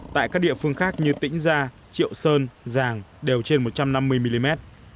tại các địa phương khác như tĩnh gia triệu sơn giàng đều trên một trăm năm mươi mm